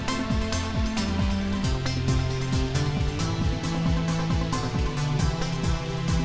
sampai jumpa sambil sarapan